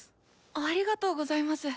ありがとうございます。